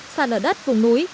xa lở đất vùng núi